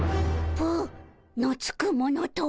「ぷ」のつくものとは？